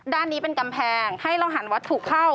ด้านนี้เป็นกำแพงให้เราหันวัตถุเข้า